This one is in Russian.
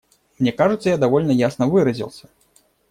Мне кажется, я довольно ясно выразился.